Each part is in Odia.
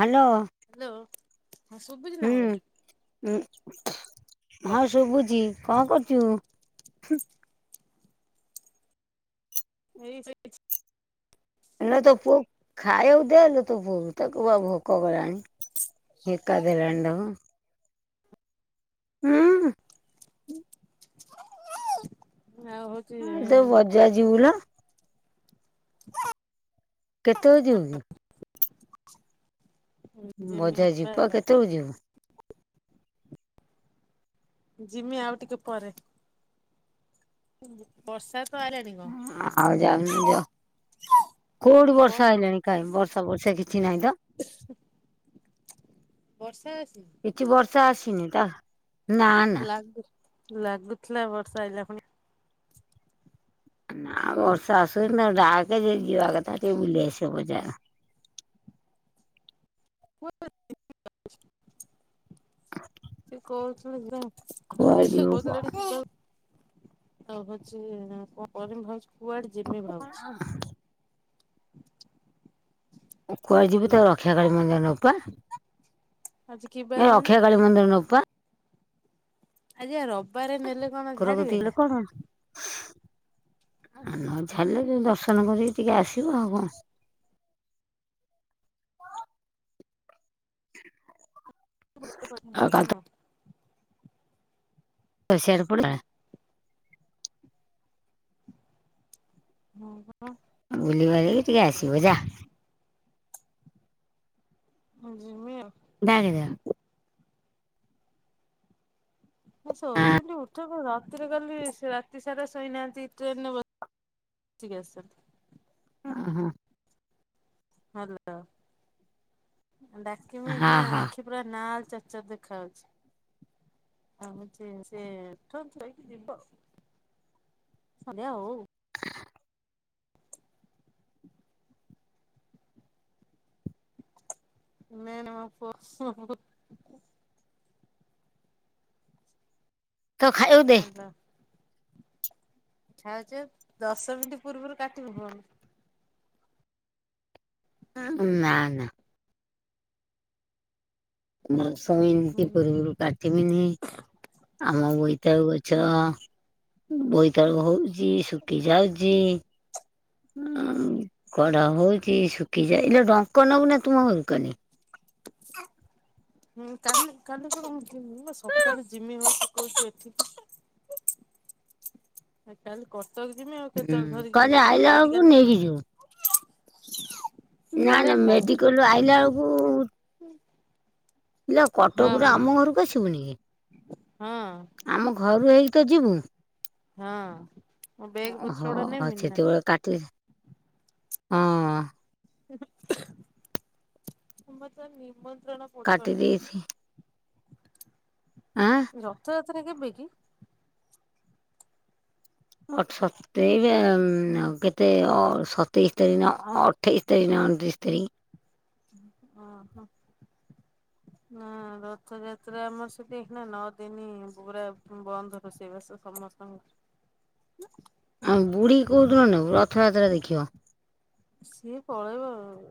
ହାଲୋ। ହ ଶୁଭୁଜ ନା ବରେ [inaudible] ହଁ ଶୁଭୁଚି କଣ କରୁଚୁ? [unintelligible] ଏଇ ସେଛି ହେ ତୁ ପୁଅକୁ ଖାଇବାକୁ ଦେ ଲୋ ତୋ ପୁଅ କୁ। ତାକୁ ବା ଭୋକ ଗଲାଣି ହିକା ଦେଲାଣି ତାକୁ। ହୁଁ। [inaudible] ହଉଛି ତୁ ବଜାର ଯିବୁ ଲୋ। [inaudible] କେତେବେଳେ ଯିବୁ କି? ଯିମି ବଜାର ଯିବୁ ପା ବା କେତ ବେଳକୁ ଯିବୁ? ଜିମି ଆଉ ଟିକେ ପରେ। ବର୍ଷା ତ ଆଇଲାଣି କଣ ହଁ ଆଉ ଯାଉନ ଯାଅ। କୋଉଠି ବ ବର୍ଷା ଆଇଲାଣି କାଇଁ ବର୍ଷା ଫର୍ଷା କିଛି ନାହିଁ ତ? ବର୍ଷା ଅଛି? ଏଠି ବର୍ଷା ଆସିନି। [unintelligible] ନା ନା। ଲାଗୁ ଲାଗୁଥିଲା ବର୍ଷା ଆଇଲା ପୁଣି ନା ଆଉ ବର୍ଷ ଆସୁନି ତାକୁ ଡାକେ ଯଦି ଯିବା କଥା ଟିକେ ବୁଲି ଆସିବ ବଜାର। [unintelligible] ସେ କହୁଚି ମୁଁ କୁଆଡ଼େ ଯିବୁ କଣ? ତ ହଉଛି କଣ କରମି ଭଲ କୁଆଡେ ଜିମି ଭାବୁଛି? [inaudible] ମୁଁ କୁଆଡେ ଯିବି ଭଲ ତାକୁ ରକ୍ଷା କାଳିୀ ମନ୍ଦ ନବ [unintelligible] ଆଜି କି ବାର ଏ କହନି ରକ୍ଷା କାଳୀ ମନ୍ଦିର ନବ ବା ଆଜି ବା ରବି ଘର କତିକି ଗଲେ କଣ ହବ? ନ ଛାଡ଼ିଲେ ତ ଦର୍ଶନ କରିକି ଟିକେ ଆସିବ ଆଉ କଣ। [inaudible] ଆଉ କାଲି [unintelligible] ହଁ ସିଆଡ଼େ ପଢ଼ିଲା ହୁଁ ହଁ। ବୁଲିବାଲିକି ଟିକେ ଆସିବ ଯା। ହୁଁ ଯିମି ଆଉ। [unintelligible] ମୁଁ ଶୋଇଥିଲି ଉଠେଇ ପକା। ରାତିରେ କାଲି ରାତି ସାରା ଶୋଇନାହାନ୍ତି ଟ୍ରେନରେ ବ ସିକି ଆସିଚନ୍ତି। ଅ ହଁ। ହାଲୋ। ଡାକିମି ହଁ ଏଇଖିନା ହଁ ଆଖି ପୁରା ନାଲ୍ ଚାଚାର ଦେଖା ହଉଛି। ଆ ହଉଛି ସେ ଉଠ [unintelligible] ସନ୍ଧ୍ୟା ହଉ। [unintelligible] ତ ଖାଇବାକୁ ଦେ। ଛା ଛୁ ଦଶ ମିନିଟ୍ ପୂର୍ବରୁ କାଟିବୁ ଫୋନ୍। ଉଁ ନା ନା। [unintelligible] ମୁଁ ଇମତି ହୁଁ ପୂର୍ବରୁ କାଟିବିିନି। ଆମ ବଇ ତଉ ଗଛ ବୋଇତାଳୁ ହଉଛି, ଶୁଖି ଯାଉଛି କଢ ହଉଛି। ଶୁଖିଯାଅ ଇଲୋ! ଡଙ୍କ ନବୁନା ତୁମ ଘରକୁ କାଲି? ହୁଁ କାଲି କାଲି କଣ ହଉଛି? ମୁଁ ବା ସକାଳୁ ଜିମି ବୋଲି କହୁଛି ଏଠିକି। ଆ କାଲି କର କେତେ [unintelligible] ଯିମି ଆଉ ହୁଁ କେତେବେଳେ ଧରିକି କାଲି ଯିମି କଣ ଆଇଲା ବେଳକୁ ମେଡିକାଲେ। ନେଇକି ଯିବୁ ନା ନା ମେଡିକଲରୁ ଆଇଲା ଅଳକୁ ଇଲୋ ହଁ କଟକରୁ ଆମ ଘରକୁ ଆସିବୁନି କି? ହଁ। ଆମ ଘରୁ ତୁ ହେଇତ ଯିବୁ। ହଁ, ମୋ ବେଗ ଓହୋ ପତ୍ରଉଡା ନେବିନ୍ ନା। ସେତେବେଳେ କାଟି ହଁ। ଉହୁଁ ତୁ ମତେ କାଟି ନିମୋନ ଦେଇଛି [unintelligible] ଆଁ ରଥଯାତ ଯାତ୍ରା କେବେ କି? ଅଠ ସତେଇ ଏ କେତେ ସତେଇଶ ତାରିଖ, ନା ଅଠେଇଶ ତାରିଖ, ନା ଅଣତିରିଶ ତାରିଖ। ଓହୋ ନା ରଥଯାତ୍ରା ଆମର ସେଠି ନା ନଅ ଦିନ ପୁରା ବନ୍ଦ ରୋଷେଇବାସ ସମସ୍ତଙ୍କର। ଆ ବୁଢୀକି କୋଉଦିନ ନବୁ ରଥଯାତ୍ରା ଦେଖିବ? ସିଏ ପଳେଇବ-ଅ।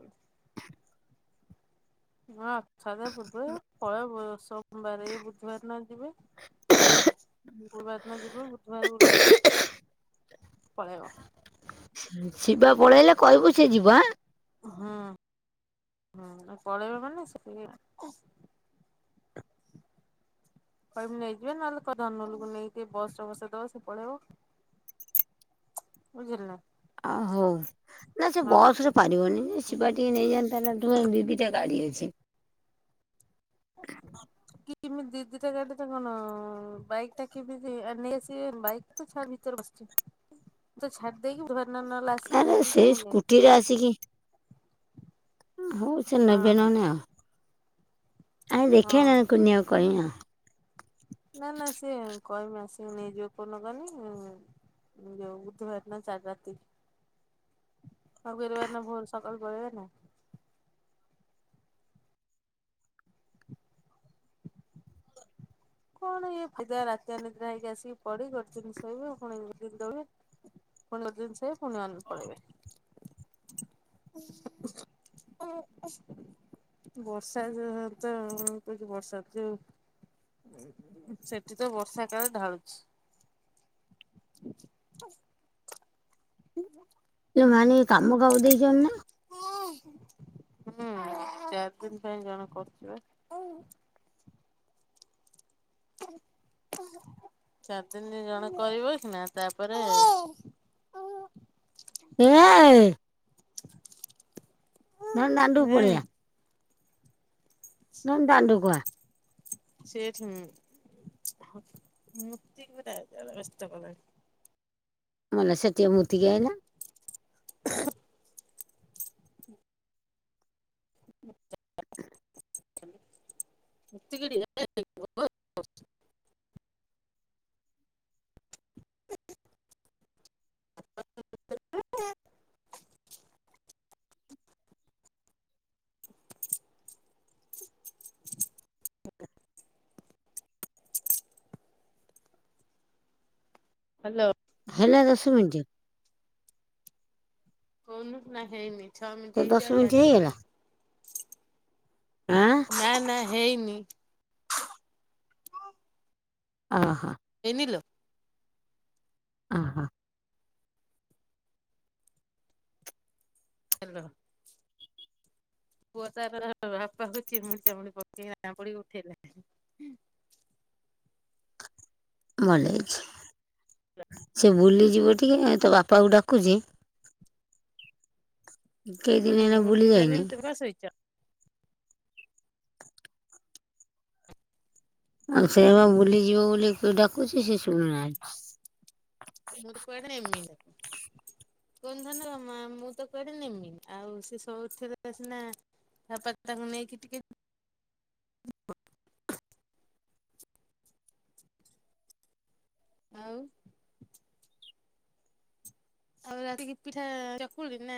ହଁଅ। ସଦାପୁୁର୍ବରୁ। [unintelligible] ସୋମବାର ଏ ବୁଧବାର ନା ଯିବେ? ଗୁରୁବାର ଦିନ ଯିବ ବୁଧବାର ଗୁରୁବାରେ। ପଳେଇବ। ଶି- ଶିବ ପଳେଇଲେ କହିବୁ ସେ ଯିବ ଆଁ। ହଁ ହଁ, ପଳେଇବ ମାନେ ସେଇଆ। କହିବି ନେଇଯିବେ ନହେଲେ କ ଧନଲୁକୁ ନେଇକି ବସରେ ବସେଇଦେବ ସେ ପଳେଇବ। ବୁଝିଲ ନା ଆ ହଉ ନା ସେ ବସ୍ ରେ ପାରିବନି। ଶିବା ଟିକେ ନେଇଯାନ୍ତାନା, ତୁକାଇଁ ଦି ଦିଟା ଗାଡି ଅଛି। ଛି। କେମିତି ଦି ଦିଟା ଗାଡ଼ିଟା କଣ, ବାଇକ୍ ଟା କେମିତି ଆ ନେଇଆସିବେ? ବାଇକ୍ ତ ଛାଡ ଭିତରେ ବସିଛି। ତ ଛାଡି ଦେଇକି। [unintelligible] ନା ଆସିକି ନା ନେଇକି ସେଇ ତାକୁ ନେଇକି ସ୍କୁଟି ରେ ଆସିକି ହଉ ସେ ହଁ ନେବେ ହଁ ନହେନେ ଆଉ। ଆ ଦେଖେଆ ହଁ। ନନେ କୁନିଆକୁ କହିବି ଆଉ। ନା ନା ସିଏ କହିବି ଆସି ନେଇଯିବ କନୋକାନି ଯଉ ବୁଧବାର ନା ଚାରି ରାତି ଆଉ ଗୁରୁବାର ନା ଭୋର ସକାଳୁ ପଳିବ ନା। କଣ ଇଏ ରାତିରେ ନିଦ୍ରା ହେଇକି ଆସିକି ପଡି ଗୋଟେ ଦିନ ଶୋଇବେ ପୁଣି ଦିନ ଦବେ ପୁଣି ଗୋଟେ ଦିନ ଶୋଇବେ ପୁଣି ପଳେଇବେ। ବର୍ଷା ଯ ତ କଛି ବର୍ଷା ଯଉ ସେଠି ତ ବର୍ଷା କାଳେ ଢାଳୁଛି। [inaudible] ଏ ମାନି କାମ କାହାକୁ ଦେଇଛନ୍ତି ନା? ହୁଁ ଚାରି ଦିନ ପାଇଁ ଜଣ କରୁଛି ପା। ଚାରି ଦିନ ଜଣ କରିବ ସିନା ତାପରେ ଏ [inaudible] ଧ ଦାଣ୍ଡୁ କୁ ପାଳିଆ। ନଁ ଦାଣ୍ଡୁ କୁଆ। ସେଠ ହ ମୁତିଟ ବ୍ୟସ୍ତ କଲାଣି। ମାନେ ସେଟିିଏ ମୁଁତିକି ଅଇଲା। [unintelligible] [unintelligible] ହାଲୋ। ହେଲା ଦଶ ମିନିଟ। ହଉନ ନା ହେଇନି। ଛଅ ମିନିଟ ତ ହେଇଛି ଦଶ ଆଉ ମିନିଟ ଚାରି ହେଇଗଲା ଆଁ ମିନିଟ। ହେଇନି। [inaudible] ଅ ହଁ। ହେଇନିଲୋ। ଅ ହଁ। ହାଲୋ। ପୁଅ ତାର ବାପାକୁ ଚିମୁଡି ଚାମୁଡି ପକେଇ ଆମୁଡି ଉଠେଇଲା। ଭଲ ହେଇଛି ସେ ବୁଲିଯିବ ଟିକେ ତ ବାପାକୁ ଡାକୁଛି। କେଇ ସେ ଦିନ କହୁଛି ହେଲା ମୁଁ ବୁଲି ଉଠି ଯାଇନି ସାରିଲଣି ତୁ କଣ ଶୋଇଛ? ଆଉ ସେ ବୁଲିଯିବ ବୋଲି ଡାକୁଛି ସେ ଶୁଣନାନ୍ତି। କ ଧାନ ମା ମୁଁ ତ କଆ ନେମି ଆଉ ସେ ସବୁଠରେ ସିନା ବାପା ତାଙ୍କୁ ନେଇକି ଟିକେ। [unintelligible] ଆଉ ସବୁ ରାତିକି ପିଠା ଚକୁଳି ନା।